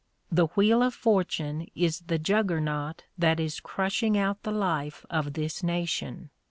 The wheel of Fortune is the Juggernaut that is crushing out the life of this nation.